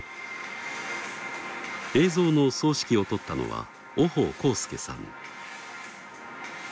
映像の総指揮をとったのは於保浩介さん。